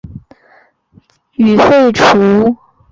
半美分硬币则予废除。